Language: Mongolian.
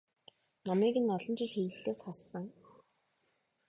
Номыг нь олон жил хэвлэлээс хассан.